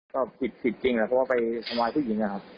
ก็ผิดผิดจริงเพราะว่าไปทำวายผู้หญิงนะครับ